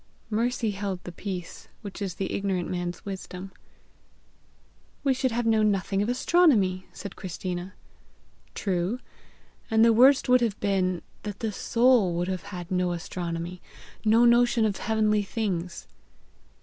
Mercy held the peace which is the ignorant man's wisdom. "We should have known nothing of astronomy," said Christina. "True; and the worst would have been, that the soul would have had no astronomy no notion of heavenly things."